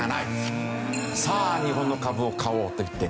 さあ日本の株を買おうといって。